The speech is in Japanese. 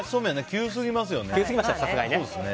急すぎますよね。